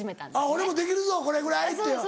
「俺もできるぞこれぐらい」って。